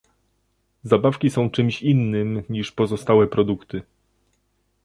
Zabawki są czymś innym, niż pozostałe produkty